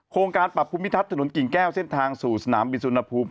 โครงการปรับภูมิทัศน์ถนนกิ่งแก้วเส้นทางสู่สนามบินสุนภูมิ